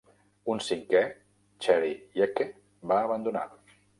Un cinquè, Cheri Yecke, va abandonar.